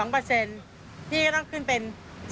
พี่ก็ต้องขึ้นเป็น